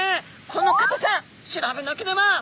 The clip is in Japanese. このかたさ調べなければ！